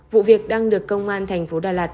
vụ việc đang được công an tp đà lạt